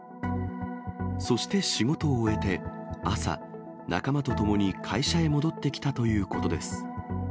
そして仕事を終えて、朝、仲間と共に会社へ戻ってきたということです。